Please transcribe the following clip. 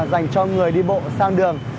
dành cho người đi bộ sang đường